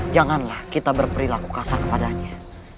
janganlah kita berperilaku kasar kepadanya